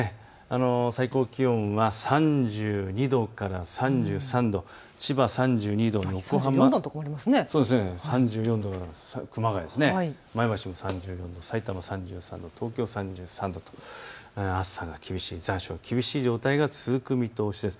最高気温は３２度から３３度、千葉３２度、熊谷３４度、前橋３４度、さいたま３３度、東京３３度と暑さが厳しい、残暑が厳しい状態が続く見通しです。